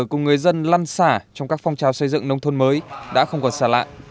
cùng người dân lăn xả trong các phong trào xây dựng nông thôn mới đã không còn xả lạ